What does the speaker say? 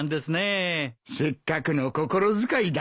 せっかくの心遣いだ。